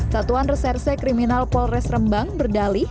satuan reserse kriminal polresrembang berdali